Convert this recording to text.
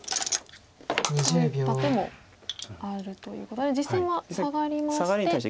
そういった手もあるということで実戦はサガりまして。